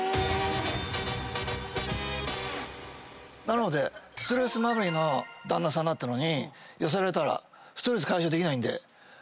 なのでストレスまみれの旦那さんだったのに痩せられたらストレス解消できないんで。